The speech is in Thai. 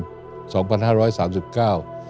ในการนี้หนังสือบิมทายรัฐฉบับประจำบันที่๑๕พฤษภาคม๒๕๓๙